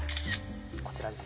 こちらです。